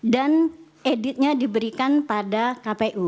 dan editnya diberikan pada kpu